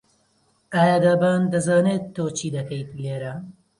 ئایا دابان دەزانێت تۆ چی دەکەیت لێرە؟